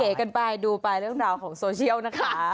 กันไปดูไปเรื่องราวของโซเชียลนะคะ